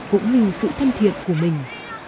cũng như sự thân thiện của mình